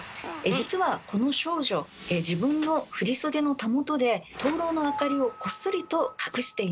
実はこの少女自分の振り袖のたもとで灯籠の明かりをこっそりと隠しています。